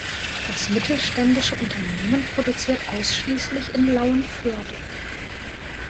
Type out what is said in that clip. Das mittelständische Unternehmen produziert ausschließlich in Lauenförde.